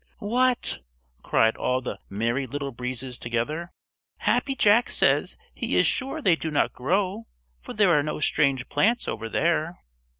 "What?" cried all the Merry Little Breezes together. "Happy Jack says he is sure they do not grow, for there are no strange plants over there."